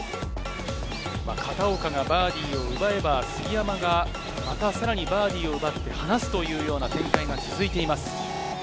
片岡がバーディーを奪えば、杉山がまたさらにバーディーを奪って離すという展開が続いています。